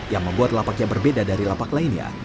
yang membuat lapaknya berbeda dari lapak lainnya